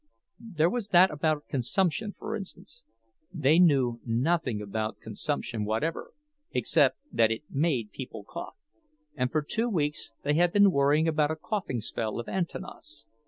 There was that about consumption, for instance. They knew nothing about consumption whatever, except that it made people cough; and for two weeks they had been worrying about a coughing spell of Antanas.